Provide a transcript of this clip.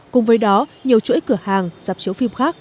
cùng với đó nhiều chuỗi cửa hàng dạp chiếu phim khác